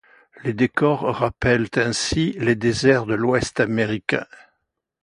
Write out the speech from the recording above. Les décors rappellent ainsi les déserts de l'ouest américain.